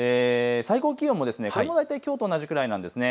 最高気温も、きょうと同じくらいなんです。